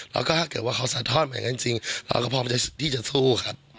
แล้วก็ถ้าเกิดว่าเขาสะท้อนเหมือนกันจริงเราก็พร้อมที่จะสู้ครับ